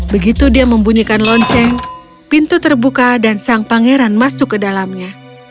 begitu dia membunyikan lonceng pintu terbuka dan sang pangeran masuk ke dalamnya